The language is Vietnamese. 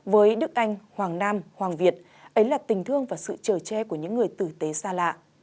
với đức anh hoàng nam hoàng việt ấy là tình thương và sự trở tre của những người tử tế xa lạ